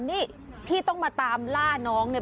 นี่ที่ต้องมาตามล่าน้องเนี่ย